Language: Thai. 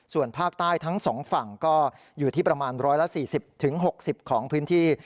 ส่วนภาคใต้ทั้งสองฝั่งก็อยู่ที่ประมาณ๑๔๐๖๐ของพื้นที่